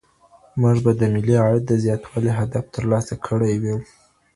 موږ به د ملي عاید د زیاتوالي هدف ترلاسه کړی وي.